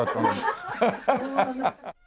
ハハハハハ！